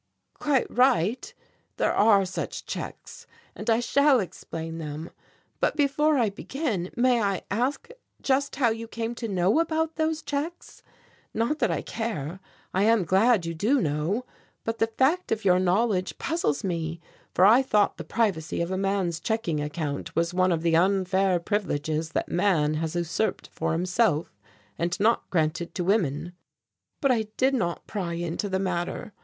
"Quite right, there are such checks, and I shall explain them. But before I begin, may I ask just how you came to know about those checks? Not that I care; I am glad you do know; but the fact of your knowledge puzzles me, for I thought the privacy of a man's checking account was one of the unfair privileges that man has usurped for himself and not granted to women." "But I did not pry into the matter.